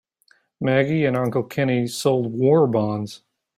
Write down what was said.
Maggie and Uncle Kenny sold war bonds.